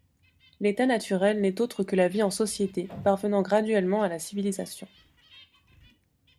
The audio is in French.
L'état naturel n'est autre que la vie en société, parvenant graduellement à la civilisation.